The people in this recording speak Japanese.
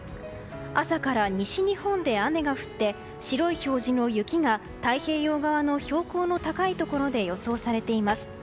朝から西日本で雨が降って白い表示の雪が太平洋側の標高の高いところで予想されています。